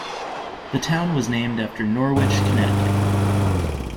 The town was named after Norwich, Connecticut.